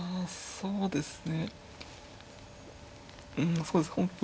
そうですね